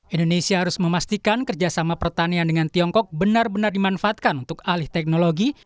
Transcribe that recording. indonesia harus memastikan kerjasama pertanian dengan tiongkok benar benar dimanfaatkan untuk alih teknologi